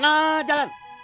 udah sana jalan